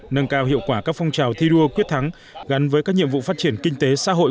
nâng cao hiệu quả các phong trào thi đua quyết thắng gắn với các nhiệm vụ phát triển kinh tế xã hội